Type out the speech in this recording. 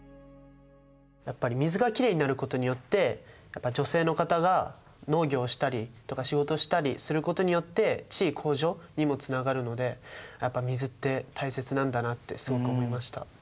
やっぱり水がきれいになることによって女性の方が農業したりとか仕事したりすることによって地位向上にもつながるのでやっぱ水って大切なんだなってすごく思いました。